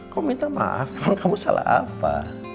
kau minta maaf kalau kamu salah apa